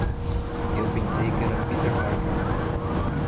Eu pensei que era Peter Parker.